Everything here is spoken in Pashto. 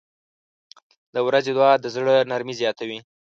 • د ورځې دعا د زړه نرمي زیاتوي.